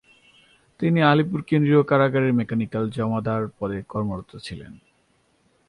তিনি আলিপুর কেন্দ্রীয় কারাগারের মেকানিক্যাল জমাদার পদে কর্মরত ছিলেন।